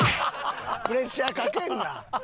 プレッシャーかけんな！